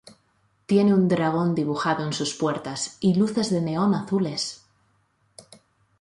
Tiene un dragón dibujado en sus puertas y luces de neón azules.